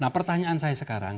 nah pertanyaan saya sekarang